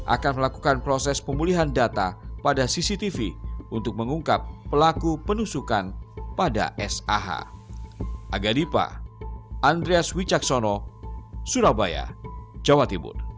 akan melakukan proses pemulihan data pada cctv untuk mengungkap pelaku penusukan pada sah